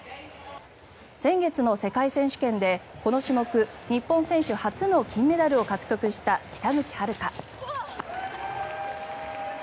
先月の世界選手権でこの種目、日本選手初の金メダルを獲得した北口榛花。